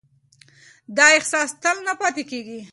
دا احساس تل نه پاتې کېږي.